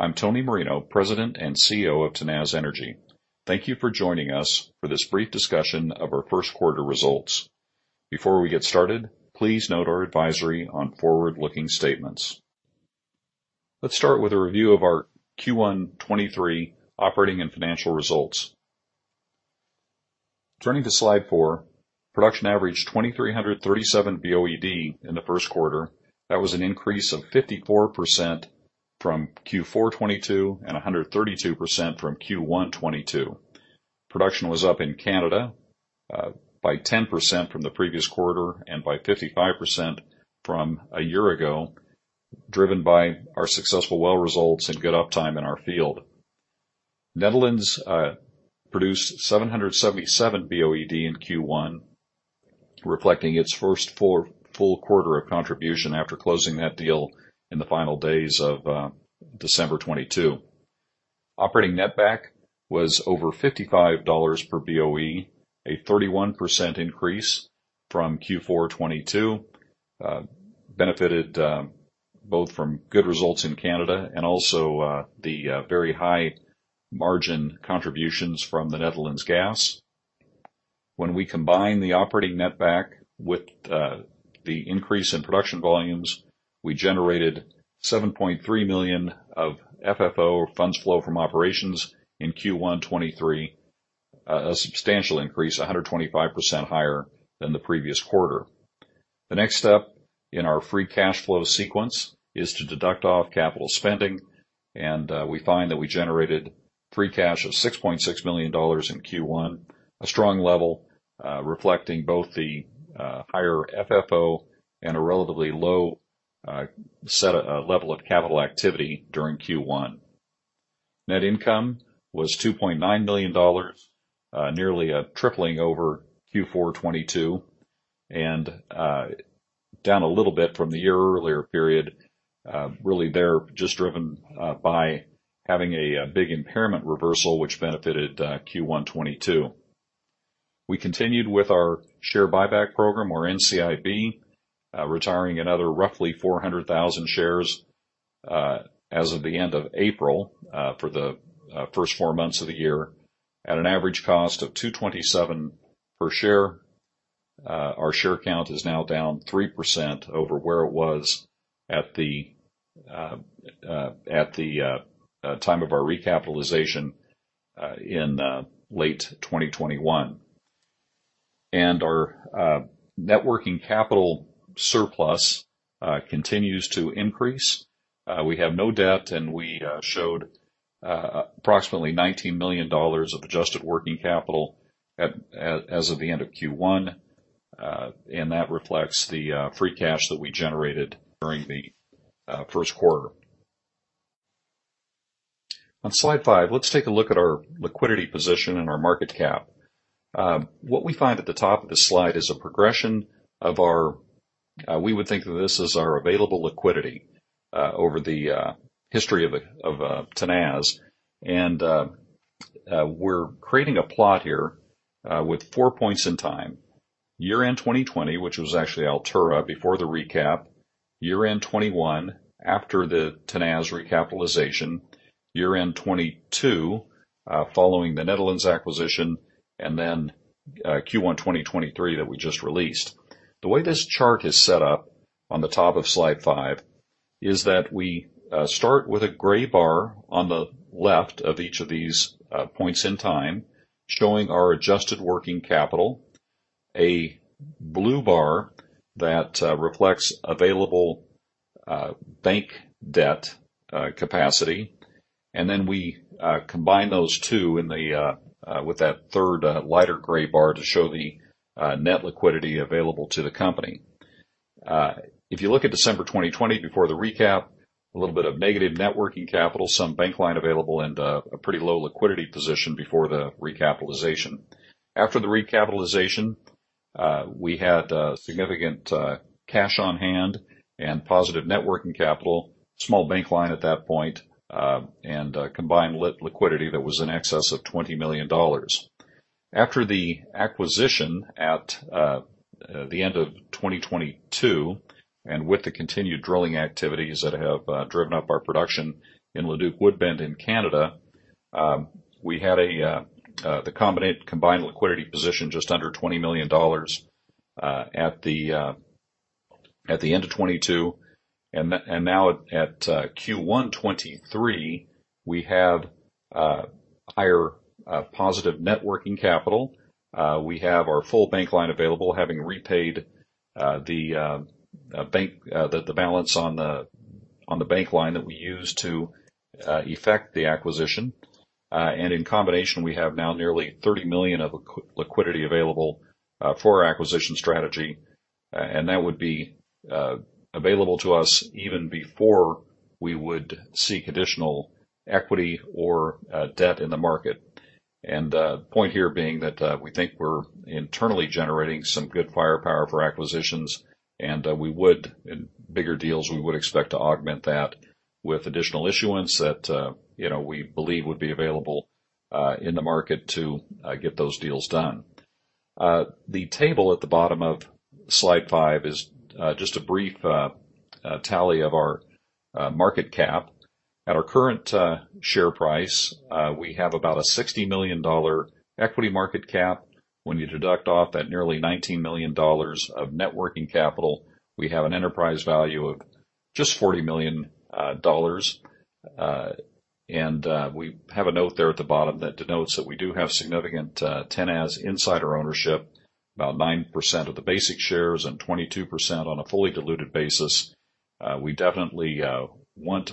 Hello, I'm Tony Marino, President and CEO of Tenaz Energy. Thank you for joining us for this brief discussion of our first quarter results. Before we get started, please note our advisory on forward-looking statements. Let's start with a review of our Q1 2023 operating and financial results. Turning to slide four. Production averaged 2,337 BOED in the first quarter. That was an increase of 54% from Q4 2022 and 132% from Q1 2022. Production was up in Canada by 10% from the previous quarter and by 55% from a year ago, driven by our successful well results and good uptime in our field. Netherlands produced 777 BOED in Q1, reflecting its first four full quarter of contribution after closing that deal in the final days of December 2022. Operating netback was over $55 per BOE, a 31% increase from Q4 2022. benefited both from good results in Canada and also the very high margin contributions from the Netherlands gas. When we combine the operating netback with the increase in production volumes, we generated 7.3 million of FFO or funds flow from operations in Q1 2023, a substantial increase, 125% higher than the previous quarter. The next step in our free cash flow sequence is to deduct off capital spending, we find that we generated free cash of 6.6 million dollars in Q1, a strong level, reflecting both the higher FFO and a relatively low set of level of capital activity during Q1. Net income was 2.9 million dollars, nearly a tripling over Q4 2022 and down a little bit from the year earlier period. Really there just driven by having a big impairment reversal which benefited Q1 2022. We continued with our share buyback program or NCIB, retiring another roughly 400,000 shares as of the end of April, for the first four months of the year at an average cost of 2.27 per share. Our share count is now down 3% over where it was at the time of our recapitalization in late 2021. Our net working capital surplus continues to increase. We have no debt, and we showed approximately $19 million of adjusted working capital as of the end of Q1. That reflects the free cash that we generated during the first quarter. On Slide five, let's take a look at our liquidity position and our market cap. What we find at the top of this Slide is a progression of our, we would think of this as our available liquidity, over the history of Tenaz. We're creating a plot here with four points in time. Year-end 2020, which was actually Altura before the recap. Year-end 2021 after the Tenaz recapitalization. Year-end 2022, following the Netherlands acquisition, and then Q1 2023 that we just released. The way this chart is set up on the top of slide five is that we start with a gray bar on the left of each of these points in time, showing our adjusted working capital. A blue bar that reflects available bank debt capacity. We combine those two in the with that third lighter gray bar to show the net liquidity available to the company. If you look at December 2020 before the recap, a little bit of negative net working capital, some bank line available and a pretty low liquidity position before the recapitalization. After the recapitalization, we had significant cash on hand and positive net working capital, small bank line at that point, and combined liquidity that was in excess of $20 million. After the acquisition at the end of 2022, and with the continued drilling activities that have driven up our production in Leduc-Woodbend in Canada, we had a combined liquidity position just under $20 million at the end of 2022. Now at Q1 2023, we have higher positive net working capital. We have our full bank line available, having repaid the bank, the balance on the bank line that we used to effect the acquisition. In combination, we have now nearly 30 million of liquidity available for our acquisition strategy, and that would be available to us even before we would seek additional equity or debt in the market. The point here being that we think we're internally generating some good firepower for acquisitions, and we would expect to augment that with additional issuance that, you know, we believe would be available in the market to get those deals done. The table at the bottom of slide five is just a brief tally of our market cap. At our current share price, we have about a $60 million equity market cap. When you deduct off that nearly $19 million of net working capital, we have an enterprise value of just $40 million. We have a note there at the bottom that denotes that we do have significant Tenaz insider ownership, about 9% of the basic shares and 22% on a fully diluted basis. We definitely want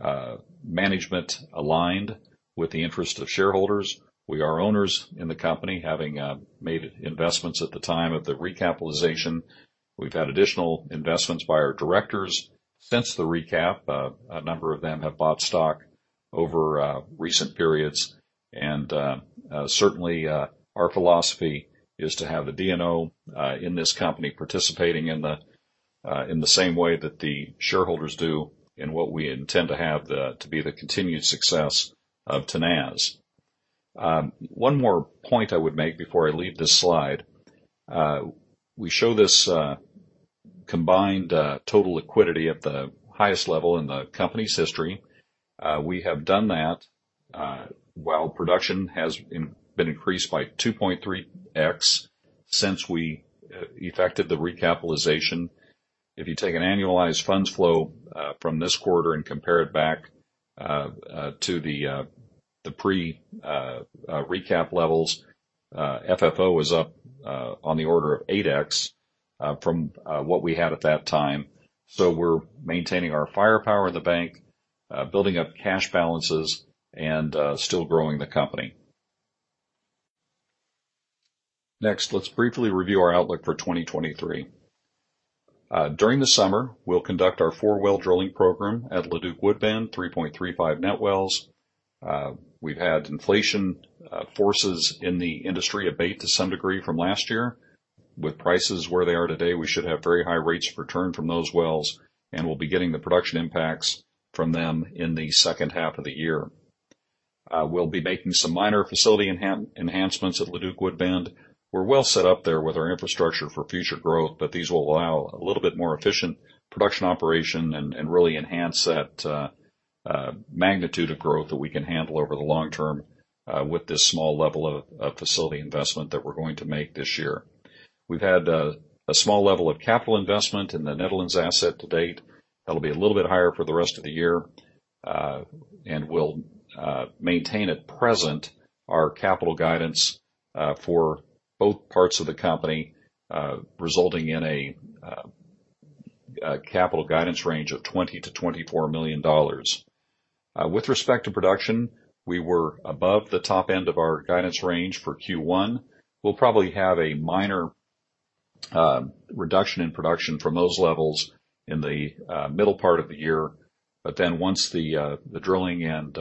our management aligned with the interest of shareholders. We are owners in the company, having made investments at the time of the recapitalization. We've had additional investments by our directors since the recap. A number of them have bought stock over recent periods. Certainly, our philosophy is to have the D&O in this company participating in the same way that the shareholders do in what we intend to be the continued success of Tenaz. One more point I would make before I leave this slide. We show this combined total liquidity at the highest level in the company's history. We have done that while production has been increased by 2.3x since we effected the recapitalization. If you take an annualized funds flow from this quarter and compare it back to the pre recap levels, FFO was up on the order of 8x from what we had at that time. We're maintaining our firepower in the bank, building up cash balances and still growing the company. Next, let's briefly review our outlook for 2023. During the summer, we'll conduct our four well drilling program at Leduc Woodbend, 3.35 net wells. We've had inflation forces in the industry abate to some degree from last year. With prices where they are today, we should have very high rates of return from those wells, and we'll be getting the production impacts from them in the second half of the year. We'll be making some minor facility enhancements at Leduc Woodbend. We're well set up there with our infrastructure for future growth, but these will allow a little bit more efficient production operation and really enhance that magnitude of growth that we can handle over the long term with this small level of facility investment that we're going to make this year. We've had a small level of capital investment in the Netherlands asset to date. That'll be a little bit higher for the rest of the year. We'll maintain at present our capital guidance for both parts of the company, resulting in a capital guidance range of $20 million-$24 million. With respect to production, we were above the top end of our guidance range for Q1. We'll probably have a minor reduction in production from those levels in the middle part of the year. Once the drilling and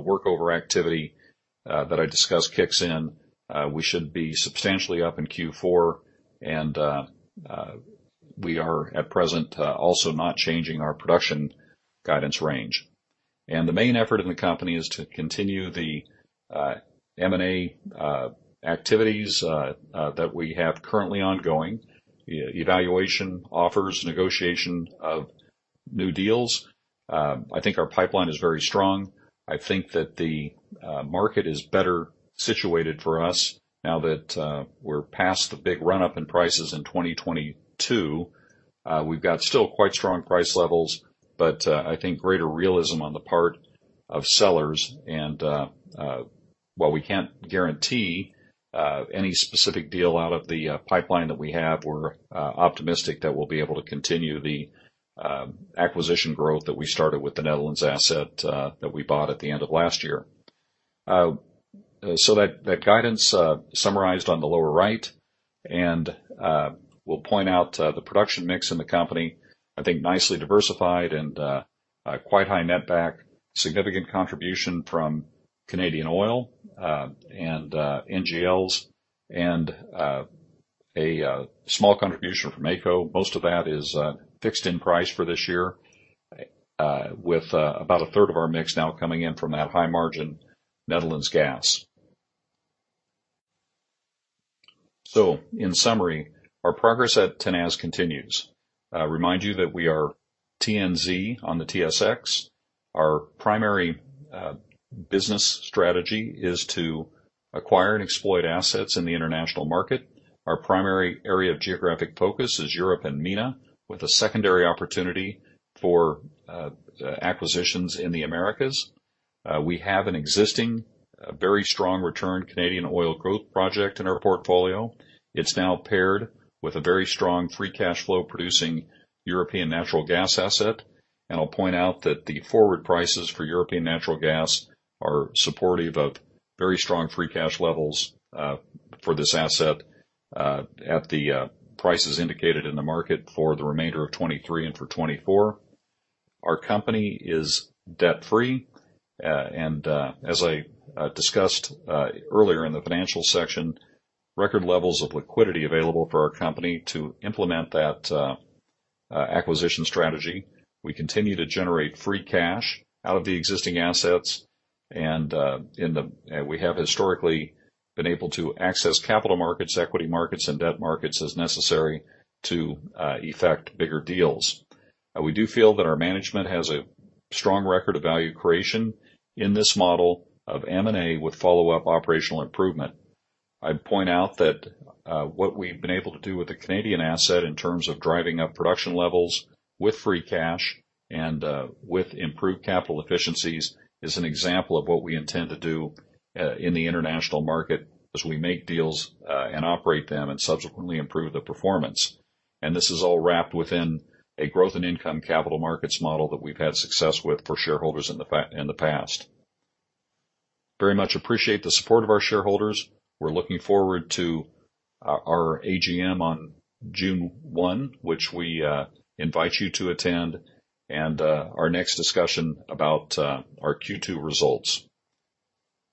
work overactivity that I discussed kicks in, we should be substantially up in Q4 and we are at present also not changing our production guidance range. The main effort in the company is to continue the M&A activities that we have currently ongoing. e‑evaluation, offers, negotiation of new deals. I think our pipeline is very strong. I think that the market is better situated for us now that we're past the big run-up in prices in 2022. We've got still quite strong price levels, but I think greater realism on the part of sellers. While we can't guarantee any specific deal out of the pipeline that we have, we're optimistic that we'll be able to continue the acquisition growth that we started with the Netherlands asset that we bought at the end of last year. That, that guidance, summarized on the lower right. We'll point out the production mix in the company. I think nicely diversified and quite high netback. Significant contribution from Canadian oil, and NGLs, and a small contribution from AECO. Most of that is fixed in price for this year, with about a third of our mix now coming in from that high-margin Netherlands gas. In summary, our progress at Tenaz continues. Remind you that we are TNZ on the TSX. Our primary business strategy is to acquire and exploit assets in the international market. Our primary area of geographic focus is Europe and MENA, with a secondary opportunity for acquisitions in the Americas. We have an existing very strong return Canadian oil growth project in our portfolio. It's now paired with a very strong free cash flow producing European natural gas asset. I'll point out that the forward prices for European natural gas are supportive of very strong free cash levels for this asset at the prices indicated in the market for the remainder of 2023 and for 2024. Our company is debt-free. As I discussed earlier in the financial section, record levels of liquidity available for our company to implement that acquisition strategy. We continue to generate free cash out of the existing assets. We have historically been able to access capital markets, equity markets, and debt markets as necessary to effect bigger deals. We do feel that our management has a strong record of value creation in this model of M&A with follow-up operational improvement. I'd point out that what we've been able to do with the Canadian asset in terms of driving up production levels with free cash and with improved capital efficiencies is an example of what we intend to do in the international market as we make deals and operate them and subsequently improve the performance. This is all wrapped within a growth in income capital markets model that we've had success with for shareholders in the past. Very much appreciate the support of our shareholders. We're looking forward to our AGM on June 1, which we invite you to attend, and our next discussion about our Q2 results.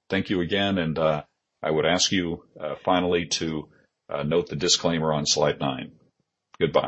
Thank you again, and I would ask you finally to note the disclaimer on slide nine. Goodbye.